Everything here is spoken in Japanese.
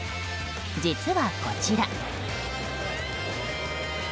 実は、こちら。